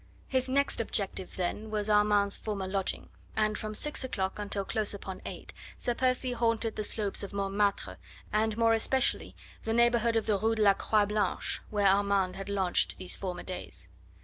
His next objective, then, was Armand's former lodging, and from six o'clock until close upon eight Sir Percy haunted the slopes of Montmartre, and more especially the neighbourhood of the Rue de la Croix Blanche, where Armand had lodged these former days.